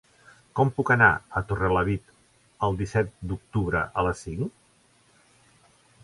Com puc anar a Torrelavit el disset d'octubre a les cinc?